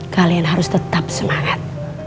kalian harus tetap semangat